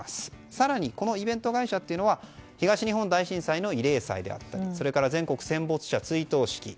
更に、このイベント会社は東日本大震災の慰霊祭であったりそれから全国戦没者追悼式